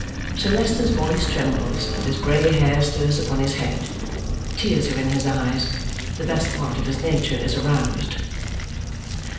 Sir Leicester's voice trembles and his grey hair stirs upon his head. Tears are in his eyes; the best part of his nature is aroused.